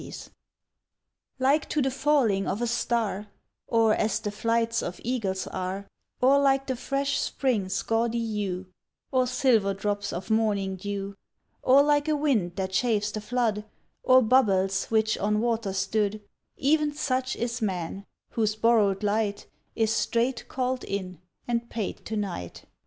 Like to the falling of a star, Or as the flights of eagles are, Or like the fresh spring's gaudy hue, Or silver drops of morning dew, Or like a wind that chafes the flood, Or bubbles which on water stood, E'en such is man, whose borrowed light Is straight called in, and paid to night.